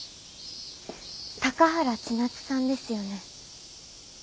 高原千夏さんですよね？